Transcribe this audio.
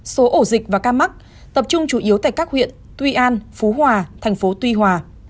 số ổ dịch và ca mắc tập trung chủ yếu tại các huyện tuy an phú hòa thành phố tuy hòa